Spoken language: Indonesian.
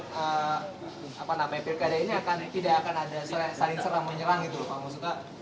misal kita apa namanya pilkada ini akan tidak akan ada saling serang menyerang gitu lho pak basuki